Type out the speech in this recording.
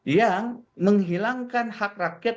yang menghilangkan hak rakyat